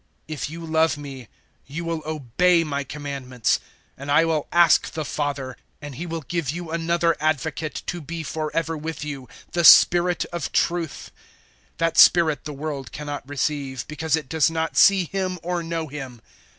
014:015 "If you love me, you will obey my commandments. 014:016 And I will ask the Father, and He will give you another Advocate to be for ever with you the Spirit of truth. 014:017 That Spirit the world cannot receive, because it does not see Him or know Him.